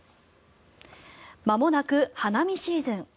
まもなく花見シーズン。